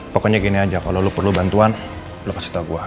pokoknya gini aja kalau lo perlu bantuan lo kasih tahu gue